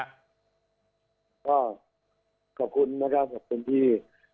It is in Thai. ก็ขอบคุณนะครับขอบคุณที่